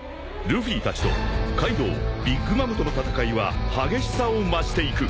［ルフィたちとカイドウビッグ・マムとの戦いは激しさを増していく］